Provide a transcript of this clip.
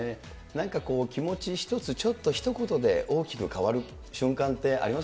なんか気持ち一つ、ちょっとひと言で大きく変わる瞬間ってありま